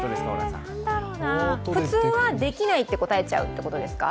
普通はできないって答えちゃうということですか？